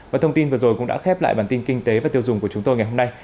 và thông tin vừa rồi cũng đã khép lại bản tin kinh tế và tiêu dùng của chúng tôi ngày hôm nay